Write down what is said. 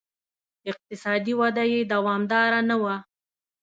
اقتصادي وده یې دوامداره نه وه